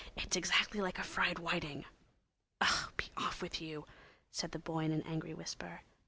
"It's exactly like a fried whiting." "Ah, be off with you!" said the boy in an angry whisper.